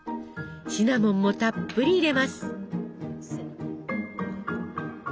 シナモンもたっぷり入れます。